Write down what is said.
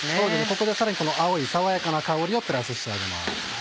ここでさらに青い爽やかな香りをプラスしてあげます。